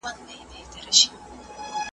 زما د قبر سر ته ارغوان به غوړېدلی وي .